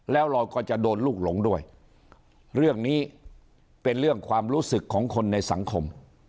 แล้วเราก็จะโดนลูกหลงด้วยเรื่องนี้เป็นเรื่องความรู้สึกของคนในสังคม